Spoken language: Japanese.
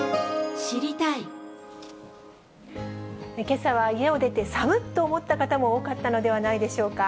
けさは家を出て、さむっと思った方も多かったのではないでしょうか。